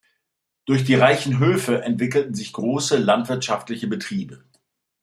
Durch die reichen Höfe entwickelten sich große landwirtschaftliche Betriebe.